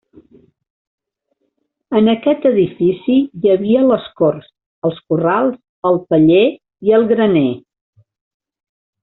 En aquest edifici hi havia les corts, els corrals, el paller i el graner.